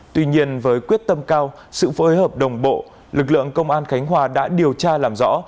tuy nhiên với quyết tâm cao sự phối hợp đồng bộ lực lượng công an khánh hòa đã điều tra làm rõ